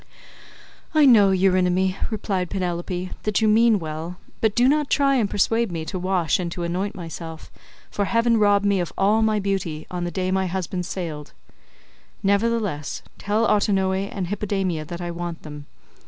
"I know, Eurynome," replied Penelope, "that you mean well, but do not try and persuade me to wash and to anoint myself, for heaven robbed me of all my beauty on the day my husband sailed; nevertheless, tell Autonoe and Hippodamia that I want them.